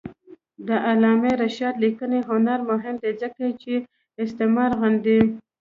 د علامه رشاد لیکنی هنر مهم دی ځکه چې استعمار غندي.